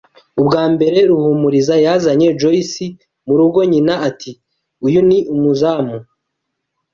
Ubwa mbere Ruhumuriza yazanye Joyce murugo, nyina ati: "Uyu ni umuzamu."